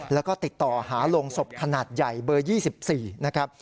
แล้วก็ติดต่อหาโรงศพขนาดใหญ่เบอร์๒๔นะครับ